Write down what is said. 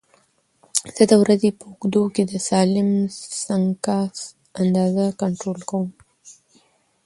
زه د ورځې په اوږدو کې د سالم سنکس اندازه کنټرول کوم.